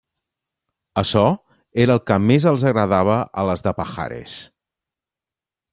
Açò era el que més els agradava a les de Pajares.